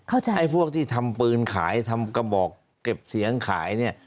ไอ้พวกที่ทำปืนขายทำกระบอกเก็บเสียงขายเนี่ย